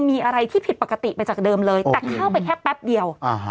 มีอะไรที่ผิดปกติไปจากเดิมเลยแต่เข้าไปแค่แป๊บเดียว